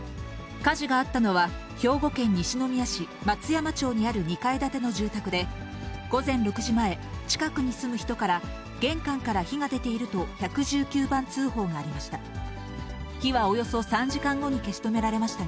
火事があったのは、兵庫県西宮市松山町にある２階建ての住宅で、午前６時前、近くに住む人から、玄関から火が出ていると１１９番通報がありました。